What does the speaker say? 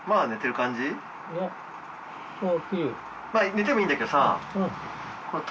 寝ててもいいんだけどさ。